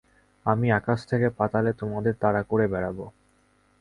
আমি আকাশ থেকে পাতালে তোমাদের তাড়া করে বেড়াবো।